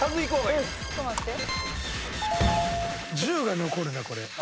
１０が残るなこれ。